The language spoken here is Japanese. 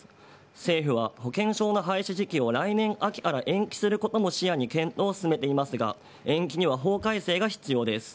政府は保険証の廃止時期を来年秋から延期することも視野に検討を進めていますが、延期には法改正が必要です。